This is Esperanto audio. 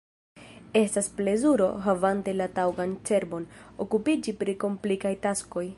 Estas plezuro – havante la taŭgan cerbon – okupiĝi pri komplikaj taskoj.